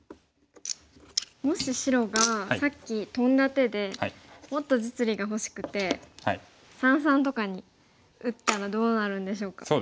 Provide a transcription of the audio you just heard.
もし白がさっきトンだ手でもっと実利が欲しくて三々とかに打ったらどうなるんでしょうか。